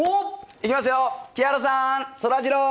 いきますよ、木原さん、そらジロー。